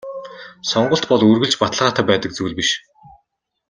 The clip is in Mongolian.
Сонголт бол үргэлж баталгаатай байдаг зүйл биш.